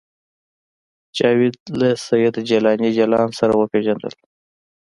جاوید له سید جلاني جلان سره وپېژندل